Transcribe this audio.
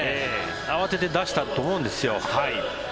慌てて出したと思うんですよ。